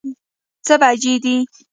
څه بجې دي؟